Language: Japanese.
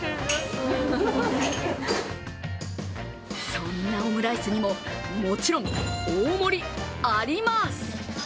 そんなオムライスにも、もちろん大盛り、あります！